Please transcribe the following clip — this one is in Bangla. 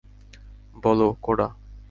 বলো, কোডা।